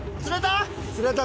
釣れた？